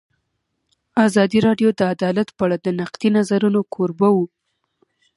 ازادي راډیو د عدالت په اړه د نقدي نظرونو کوربه وه.